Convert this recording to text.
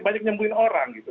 banyak nyembuhin orang gitu